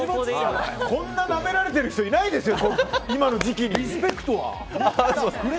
こんななめられてる人いないですよ、今の時期に。